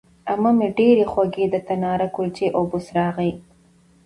عمه مې ډېرې خوږې د تناره کلچې او بوسراغې